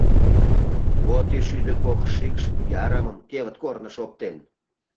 Вот и шӱдӧ кок шикш ярымым кевыт корныш оптен.